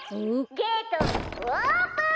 「ゲートオープン！」。